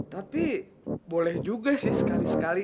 tapi boleh juga sih sekali sekali